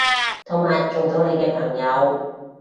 同埋做到你嘅朋友